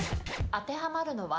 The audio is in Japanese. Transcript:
当てはまるのは？